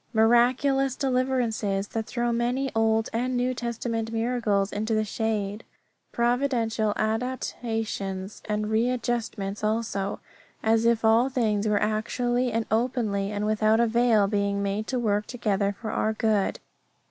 Miraculous deliverances that throw many Old and New Testament miracles into the shade. Providential adaptations and readjustments also, as if all things were actually and openly and without a veil being made to work together for our good.